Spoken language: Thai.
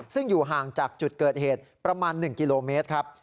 ซึ่งอยู่ห่างจากจุดเกิดเหตุประมาณ๑กิโลเมตรครับ